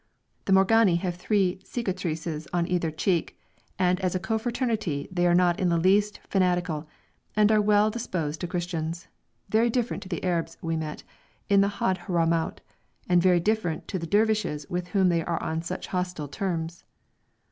The Morghani have the three cicatrices on either cheek, and as a confraternity they are not in the least fanatical, and are well disposed to Christians; very different to the Arabs we met in the Hadhramout, and very different to the Dervishes with whom they are on such hostile terms.